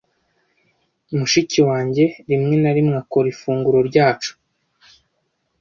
Mushiki wanjye rimwe na rimwe akora ifunguro ryacu.